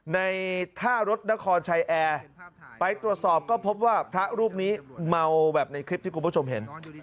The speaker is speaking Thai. ในท่ารถนครชัยแอร์ไปตรวจสอบก็พบว่าพระรูปนี้เมาแบบในคลิปที่คุณผู้ชมเห็น